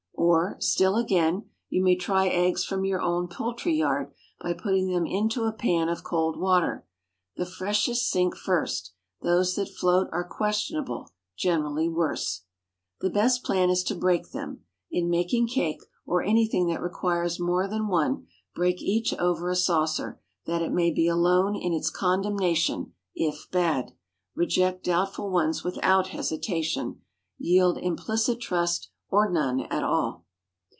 Or, still again, you may try eggs from your own poultry yard by putting them into a pan of cold water. The freshest sink first. Those that float are questionable—generally worse. The best plan is to break them. In making cake, or anything that requires more than one, break each over a saucer, that it may be alone in its condemnation, if bad. Reject doubtful ones without hesitation. Yield implicit trust, or none at all.